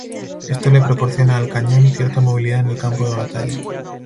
Esto le proporciona al cañón cierta movilidad en el campo de batalla.